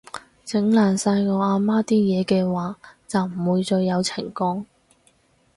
整爛晒我阿媽啲嘢嘅話，就唔會再有情講